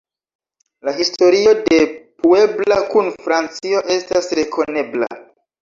La historio de Puebla kun Francio estas rekonebla.